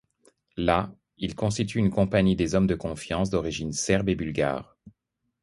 Là, il constitue une compagnie de hommes de confiance d'origines serbes et bulgares.